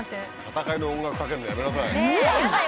戦いの音楽かけんのやめなさい。